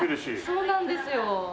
そうなんですよ。